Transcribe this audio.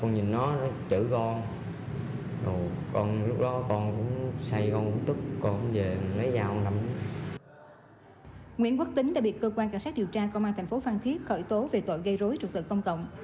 nguyễn quốc tĩnh đã bị cơ quan cảnh sát điều tra công an thành phố phan thiết khởi tố về tội gây rối trực tự công cộng